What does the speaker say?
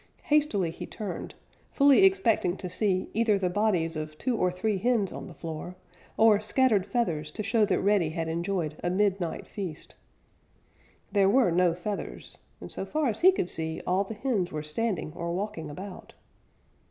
Hastily he turned, fully expecting to see either the bodies of two or three hens on the floor, or scattered feathers to show that Reddy had enjoyed a midnight feast. There were no feathers, and so far as he could see, all the hens were standing or walking about.